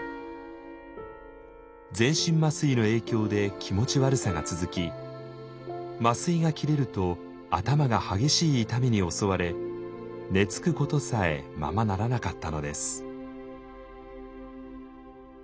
全身麻酔の影響で気持ち悪さが続き麻酔が切れると頭が激しい痛みに襲われ寝つくことさえままならなかったのです。